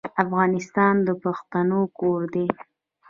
افغانستان د پښتنو کور دی.